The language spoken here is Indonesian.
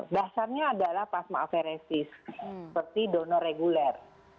dasarnya adalah plasma aferesis seperti donor reguler